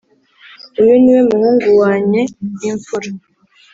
Uyu niwe muhungu wanye w’imfura